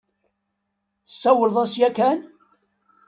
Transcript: Tesawleḍ-as yakan?